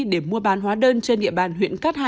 để mua bán hóa đơn trên địa bàn huyện cát hải